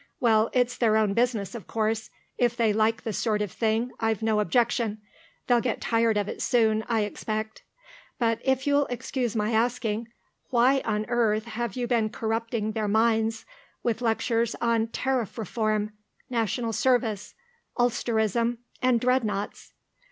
Well, it's their own business, of course; if they like the sort of thing, I've no objection. They'll get tired of it soon, I expect.... But, if you'll excuse my asking, why on earth have you been corrupting their minds with lectures on Tariff Reform, National Service, Ulsterism and Dreadnoughts?